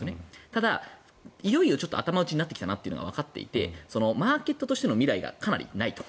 ただ、いよいよ頭打ちになってきたのがわかってきてマーケットとしての未来がかなりないと。